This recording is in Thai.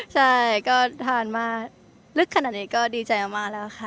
ใช่ก็ทานมาลึกขนาดนี้ก็ดีใจมากแล้วค่ะ